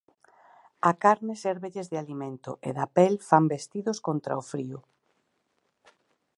A carne sérvelles de alimento e da pel fan vestidos contra o frío.